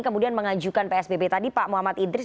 kemudian mengajukan psbb tadi pak muhammad idris